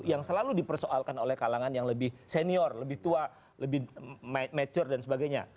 yang selalu dipersoalkan oleh kalangan yang lebih senior lebih tua lebih mature dan sebagainya